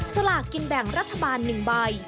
สลากกินแบ่งรัฐบาล๑ใบ